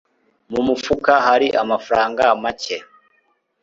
Mu mufuka hari amafaranga make.